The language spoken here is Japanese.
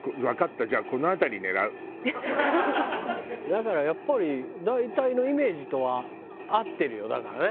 だからやっぱり大体のイメージとは合ってるよだからね。